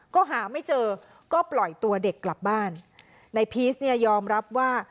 ก็หาไม่เจอก็ปล่อยตัวเด็กกลับบ้านในพีชเนี่ยยอมรับว่า